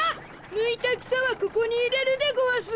ぬいたくさはここにいれるでごわす。